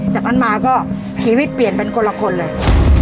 จากนั้นมาก็ชีวิตเปลี่ยนเป็นคนละคนเลย